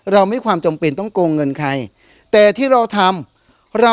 เรามีความจมเป็นต้องโกงเงินใคร